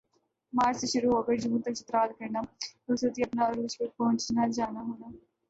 مارچ سے شروع ہوکر جون تک چترال کرنا خوبصورتی اپنا عروج پر پہنچنا جانا ہونا